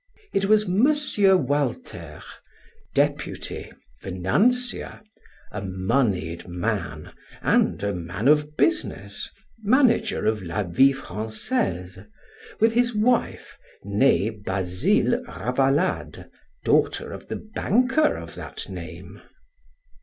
It was M. Walter, deputy, financier, a moneyed man, and a man of business, manager of "La Vie Francaise," with his wife, nee Basile Ravalade, daughter of the banker of that name.